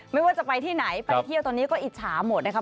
ไม่ว่าจะไปที่ไหนไปเที่ยวตอนนี้ก็อิจฉาหมดนะครับ